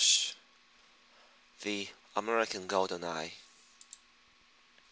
_ THE AMERICAN GOLDEN EYE.